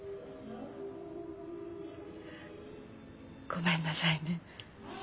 ごめんなさいね。